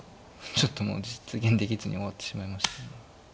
ちょっともう実現できずに終わってしまいました。